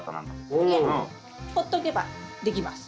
ほっとけばできます。